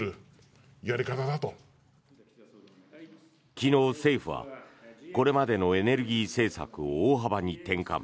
昨日、政府はこれまでのエネルギー政策を大幅に転換。